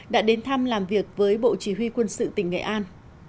đã đến thăm làm việc với bộ chỉ huy quân sự tỉnh nghệ an